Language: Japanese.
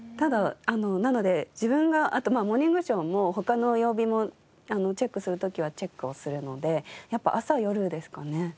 なので自分があと『モーニングショー』も他の曜日もチェックする時はチェックをするのでやっぱり朝夜ですかね。